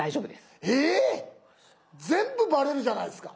えっ⁉全部バレるじゃないですか。